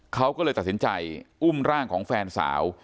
เขาก็เลยตัดสินใจอุ้มร่างของแฟนสาว